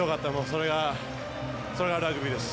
それが、それがラグビーです。